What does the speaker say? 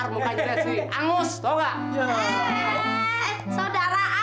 mulai bakal indah